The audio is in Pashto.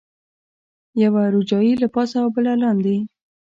یوه روجایۍ له پاسه او بله لاندې.